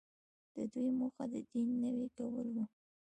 د دوی موخه د دین نوی کول وو.